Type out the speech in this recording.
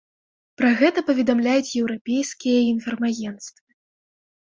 Пра гэта паведамляюць еўрапейскія інфармагенцтвы.